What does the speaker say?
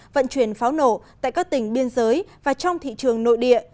vận chuyển pháo nổ tại các tỉnh biên giới và trong thị trường nội địa